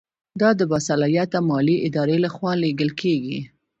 دا د باصلاحیته مالي ادارې له خوا لیږل کیږي.